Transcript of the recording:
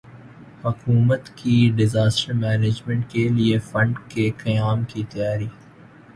حکومت کی disaster management کیلئے فنڈ کے قیام کی تیاری